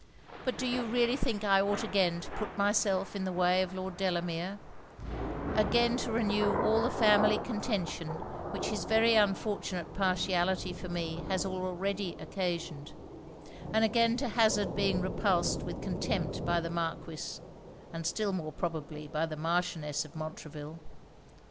But do you really think I ought again to put myself in the way of Lord Delamere again to renew all the family contention which his very unfortunate partiality for me has already occasioned; and again to hazard being repulsed with contempt by the Marquis, and still more probably by the Marchioness of Montreville.